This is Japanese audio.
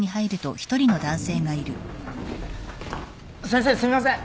先生すいません。